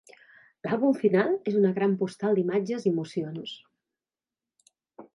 L'àlbum final és una gran postal d'imatges i emocions.